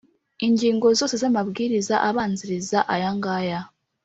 Ingingo zose z amabwiriza abanziriza aya ngaya